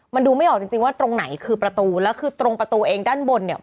มันดูไม่ออกจริงจริงว่าตรงไหนคือประตูแล้วคือตรงประตูเองด้านบนเนี่ย